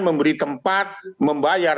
memberi tempat membayar